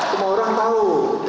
semua orang tahu